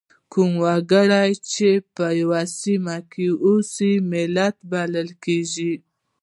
کوم وګړي چې په یوه سیمه کې اوسي ملت بلل کیږي.